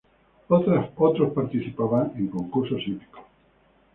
Otros participaban en concursos hípicos.